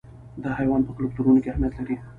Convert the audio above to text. دا حیوان په کلتورونو کې اهمیت لري.